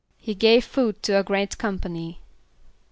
=He gave food to a great company.